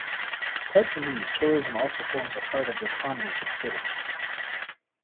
Apart from these Tourism also forms a part of economy to the city.